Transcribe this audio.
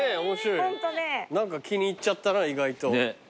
何か気に入っちゃったな意外と。